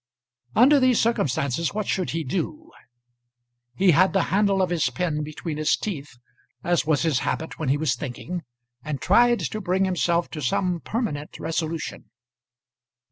Under these circumstances, what should he do? He had the handle of his pen between his teeth, as was his habit when he was thinking, and tried to bring himself to some permanent resolution.